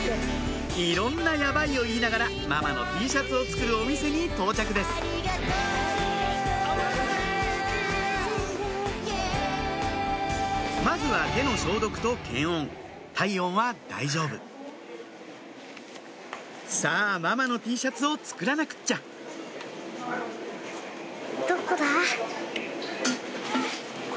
いろんな「やばい」を言いながらママのＴシャツを作るお店に到着ですまずは手の消毒と検温体温は大丈夫さぁママのＴシャツを作らなくっちゃ何？